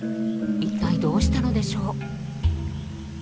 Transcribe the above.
一体どうしたのでしょう？